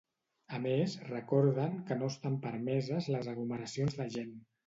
A més, recorden que no estan permeses les aglomeracions de gent.